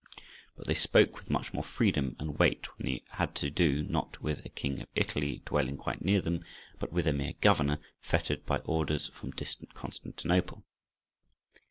But they spoke with much more freedom and weight when they had to do, not with a King of Italy dwelling quite near them, but with a mere governor fettered by orders from distant Constantinople.